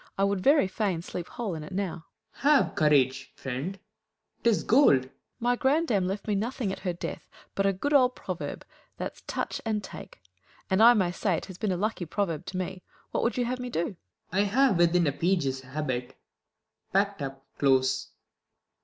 I would very fain Sleep whole in it now. Claud. Have courage, friend, 'tis gold ! Fool. My grandam left me nothing at her death But a good old proverb, that's Touch and Take : And I may say 't has been a lucky proverb To me. AVhat would you have me do 1 Claud. I have within a Page's habit, packt up Close.